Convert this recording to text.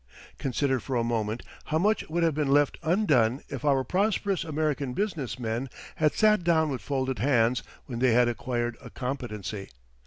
Consider for a moment how much would have been left undone if our prosperous American business men had sat down with folded hands when they had acquired a competency.